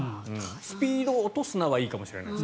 スピードを落とすなはいいかもしれません。